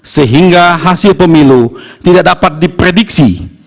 sehingga hasil pemilu tidak dapat diprediksi